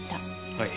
はい。